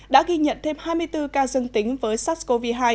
đã ghi nhận thêm hai mươi bốn ca dương tính với sars cov hai